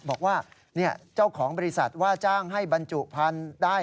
บอกว่าเจ้าของบริษัทว่าจ้างให้บรรจุพันธุ์ได้